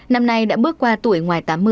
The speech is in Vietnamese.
năm nay đã bước qua tuổi ngoài tám mươi